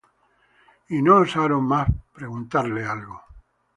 Y no osaron más preguntarle algo.